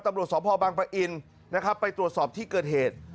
ตำรวจสพบังปะอินนะครับไปตรวจสอบที่เกิดเหตุ